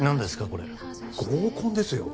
これ合コンですよ